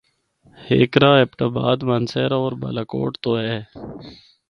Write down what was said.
ہک راہ ایبٹ آباد، مانسہرہ ہور بالاکوٹ تو اے۔